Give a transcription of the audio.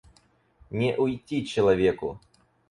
Не уйти человеку!